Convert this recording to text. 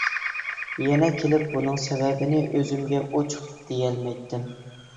يەنە كېلىپ، بۇنىڭ سەۋەبىنى ئۆزۈمگە ئوچۇق دېيەلمەيتتىم.